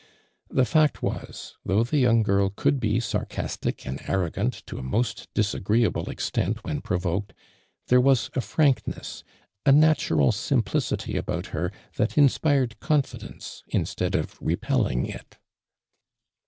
The fact was, though the yomig girl could be sarcastic ami arrogant to a most disagreeable extent when )trovokod. there was a frankness, a natural simplicity about her that hispired contidi')u'o instead of repelling it.